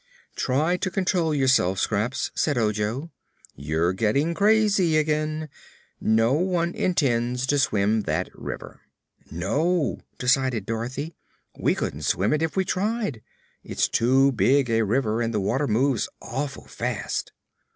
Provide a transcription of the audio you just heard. "Try to control yourself, Scraps," said Ojo; "you're getting crazy again. No one intends to swim that river." "No," decided Dorothy, "we couldn't swim it if we tried. It's too big a river, and the water moves awful fast."